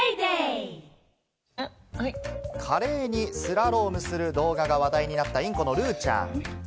華麗にスラロームする動画が話題になった、インコのルーちゃん。